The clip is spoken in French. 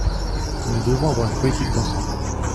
Nous devons avoir une politique d’ensemble.